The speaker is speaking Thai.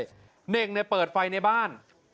เดินช้ามาเรื่อยเน่งเนี่ยเปิดไฟในบ้าน